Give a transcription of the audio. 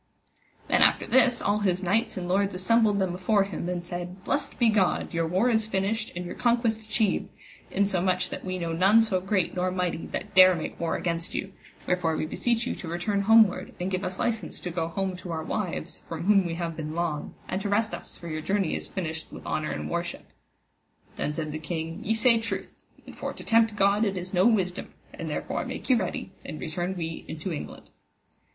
Then after this all his knights and lords assembled them afore him, and said: Blessed be God, your war is finished and your conquest achieved, in so much that we know none so great nor mighty that dare make war against you: wherefore we beseech you to return homeward, and give us licence to go home to our wives, from whom we have been long, and to rest us, for your journey is finished with honour and worship. Then said the king, Ye say truth, and for to tempt God it is no wisdom, and therefore make you ready and return we into England.